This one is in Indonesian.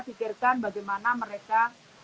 pikirkan bagaimana mereka